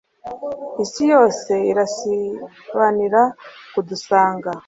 isi yose irasibanira kudusanga